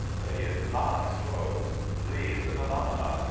But he is not slow. Lee is a phenomenon.